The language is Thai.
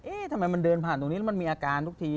ทำไมมันเดินผ่านตรงนี้แล้วมันมีอาการทุกที